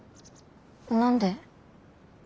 何で？